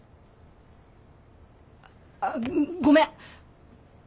ああごめん。